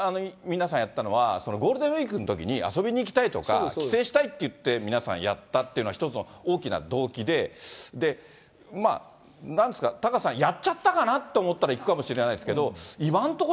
ＰＣＲ検査も、だからなんていうの、例えば、すごく民間の皆さんやったのは、ゴールデンウィークのときに、遊びに行きたいとか、規制したいっていって皆さんやったっていうのは一つの大きな動機で、なんですか、タカさん、やっちゃったかなって思ったら、行くかもしれないですけど、今のところ、